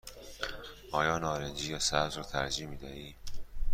آیا نارنجی یا سبز را ترجیح می دهی؟